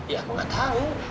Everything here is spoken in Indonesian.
ya aku nggak tahu